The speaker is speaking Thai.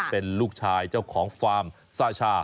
เป็นลูกชายเจ้าของฟาร์มซาชา